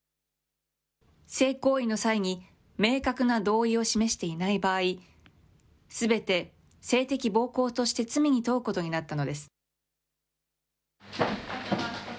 性行為の際に明確な同意を示していない場合、すべて性的暴行として罪に問うことになったのです。